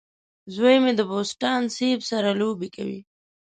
زوی مې د بوسټان سیب سره لوبه کوي.